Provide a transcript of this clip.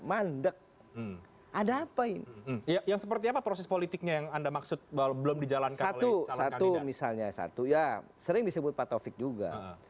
mandek ada apa ini yang seperti apa proses politiknya yang anda maksud bahwa belum dijalankan satu satu misalnya satu ya sering disebut pak taufik juga